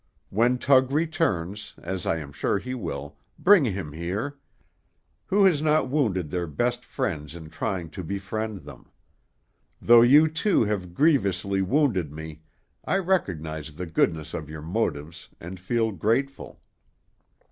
When Tug returns, as I am sure he will, bring him here. Who has not wounded their best friends in trying to befriend them? Though you two have grievously wounded me, I recognize the goodness of your motives, and feel grateful."